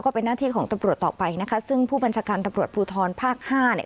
เป็นหน้าที่ของตำรวจต่อไปนะคะซึ่งผู้บัญชาการตำรวจภูทรภาคห้าเนี่ย